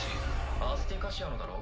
アスティカシアのだろ？